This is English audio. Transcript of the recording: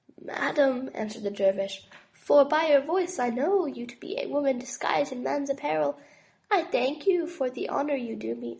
'Madame," answered the dervish, *'for by your voice I know you to be a woman disguised in man's apparel, I thank you for the honor you do me.